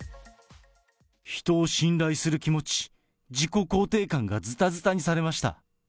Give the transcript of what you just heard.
人を信頼する気持ち、自己肯定感がずたずたにされました。